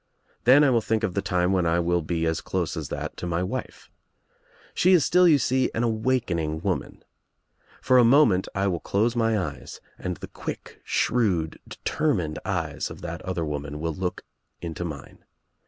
Then I will think of the time when I will be as close as that to my wife. She is still, you see, an awakening ■ woman. For a moment I will close my eyes and the i quick, shrewd, determined eyes of that other woman will look into mine.